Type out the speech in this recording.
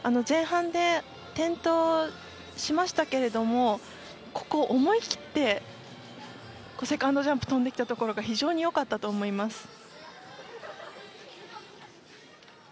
前半で転倒しましたけれどもここ、思い切ってセカンドジャンプを跳んできたところが非常に良かったと思います。